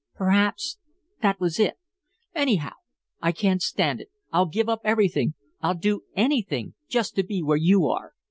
Perhaps that was it. Anyhow, I can't stand it. I'll give up everything I'll do anything just to be where you are.